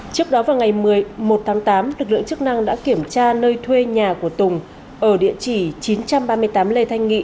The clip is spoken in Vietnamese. trước đó vào ngày một mươi một tháng tám lực lượng chức năng đã kiểm tra nơi thuê nhà của tùng ở địa chỉ chín trăm ba mươi tám lê thanh nghị